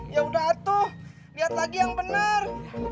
ya udah tuh lihat lagi yang bener